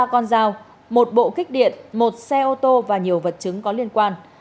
ba con dao một bộ kích điện một xe ô tô và nhiều vật chứng có liên quan